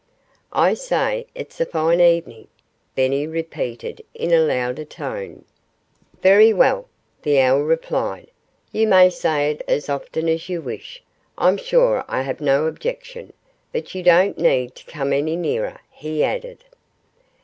"I say, it's a fine evening!" Benny repeated in a louder tone. "Very well!" the owl replied. "You may say it as often as you wish. I'm sure I have no objection. ... But you don't need to come any nearer," he added.